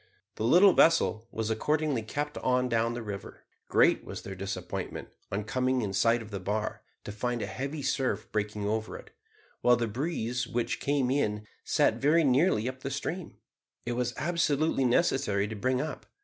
The little vessel was accordingly kept on down the river. Great was their disappointment, on coming in sight of the bar, to find a heavy surf breaking over it, while the breeze which came in set very nearly up the stream. It was absolutely necessary to bring up.